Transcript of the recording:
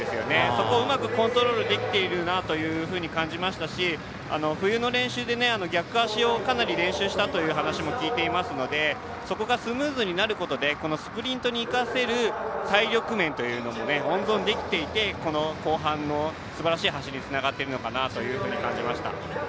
そこをうまくコントロールできているなと感じましたし、冬の練習で逆足をかなり練習したという話も聞いていますのでそこがスムーズになることでスプリントに生かせる体力面というのが温存できていてこの後半のすばらしい走りにつながっているのかなと感じました。